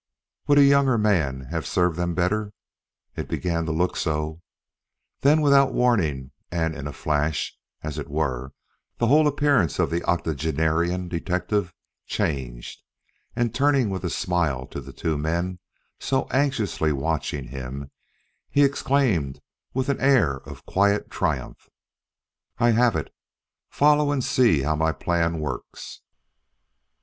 Would a younger man have served them better? It began to look so; then without warning and in a flash, as it were, the whole appearance of the octogenarian detective changed, and turning with a smile to the two men so anxiously watching him, he exclaimed with an air of quiet triumph: "I have it. Follow and see how my plan works."